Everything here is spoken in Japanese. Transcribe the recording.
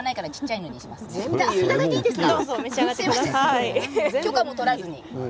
いただいちゃっていいですか。